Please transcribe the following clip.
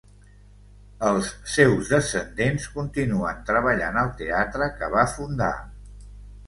Els seus descendents continuen treballant al teatre que va fundar.